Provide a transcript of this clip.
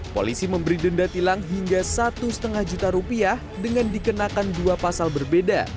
polisi memberi denda tilang hingga satu lima juta rupiah dengan dikenakan dua pasal berbeda